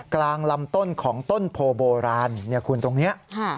กลางลำต้นของต้นโพโบราณคุณตรงนี้